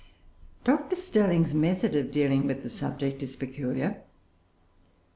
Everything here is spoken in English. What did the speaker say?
Dr. Stirling's method of dealing with the subject is peculiar.